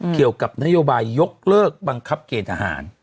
เกี่ยวกับนโยบายยกเลิกบังคับเกณฑหาร